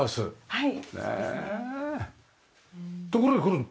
はい。